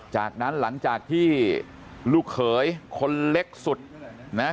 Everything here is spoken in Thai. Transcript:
จากนั้นหลังจากที่ลูกเขยคนเล็กสุดนะ